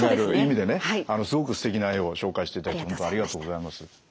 すごくすてきな絵を紹介していただき本当ありがとうございます。